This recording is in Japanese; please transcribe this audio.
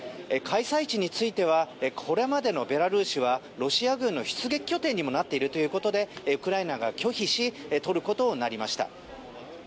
開催地についてはこれまでのベラルーシはロシア軍の出撃拠点にもなっているということでウクライナが拒否しトルコとなりました。